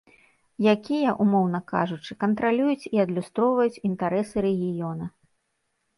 Якія, умоўна кажучы, кантралююць і адлюстроўваюць інтарэсы рэгіёна.